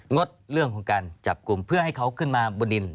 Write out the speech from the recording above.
ดเรื่องของการจับกลุ่มเพื่อให้เขาขึ้นมาบนดิน